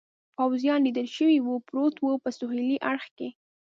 پوځیان لیدل شوي و، پروت و، په سهېلي اړخ کې.